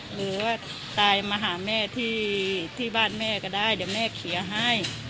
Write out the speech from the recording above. หรือว่าตายมาหาแม่ที่บ้านแม่ก็ได้เดี๋ยวแม่เคลียร์ให้